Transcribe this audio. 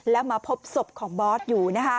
แล้วมาพบศพของบอสอยู่